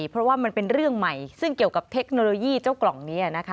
เพราะว่ามันเป็นเรื่องใหม่ซึ่งเกี่ยวกับเทคโนโลยีเจ้ากล่องนี้นะคะ